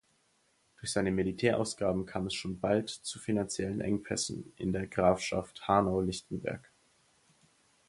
Durch seine Militärausgaben kam es schon bald zu finanziellen Engpässen in der Grafschaft Hanau-Lichtenberg.